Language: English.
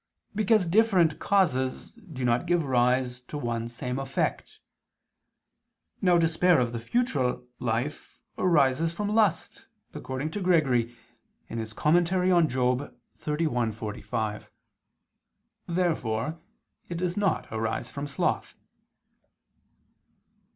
Because different causes do not give rise to one same effect. Now despair of the future life arises from lust, according to Gregory (Moral. xxxi, 45). Therefore it does not arise from sloth.